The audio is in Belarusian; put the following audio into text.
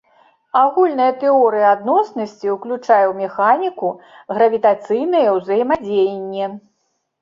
Агульная тэорыя адноснасці ўключае ў механіку гравітацыйнае ўзаемадзеянне.